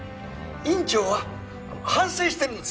院長は反省してるんです。